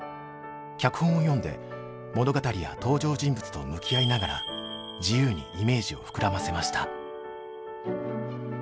脚本を読んで物語や登場人物と向き合いながら自由にイメージを膨らませました。